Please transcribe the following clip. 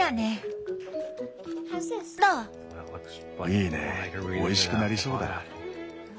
いいねおいしくなりそうだ。